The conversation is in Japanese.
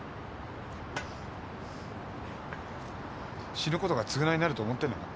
死ぬことが償いになると思ってんのか？